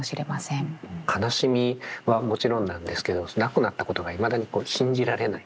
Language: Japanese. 悲しみはもちろんなんですけど亡くなったことがいまだにこう信じられない。